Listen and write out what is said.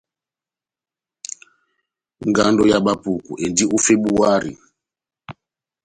Ngando ya Bapuku endi ó Febuari.